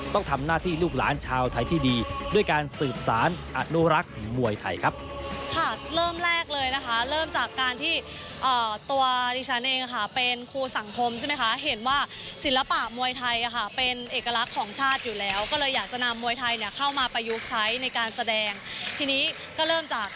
ต้องทำหน้าที่ลูกหลานชาวไทยที่ดีด้วยการสืบสารอนุรักษ์มวยไทยครับ